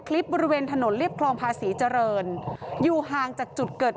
คลิปบริเวณถนนเรียบคลองภาษีเจริญอยู่ห่างจากจุดเกิด